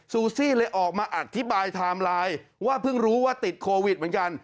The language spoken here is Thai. ซูซี่เลยออกมาอธิบายไทม์ไลน์ว่าเพิ่งรู้ว่าติดโควิดเหมือนกัน